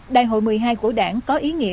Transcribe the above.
đại hội một mươi hai của đảng có ý nghĩa